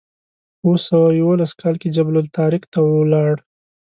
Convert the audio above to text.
په اوه سوه یوولس کال کې جبل الطارق ته لاړ.